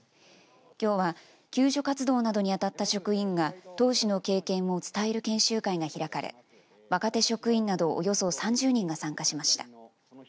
きょうは救助活動などに当たった職員が当時の経験を伝える研修会が開かれ若手職員などおよそ３０人が参加しました。